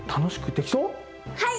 はい！